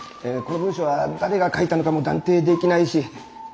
この文書は誰が書いたのかも断定できないし